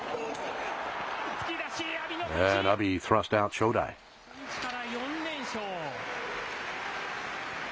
初日から４連勝。